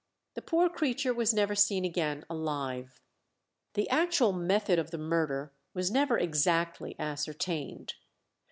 The poor creature was never seen again alive. The actual method of the murder was never exactly ascertained.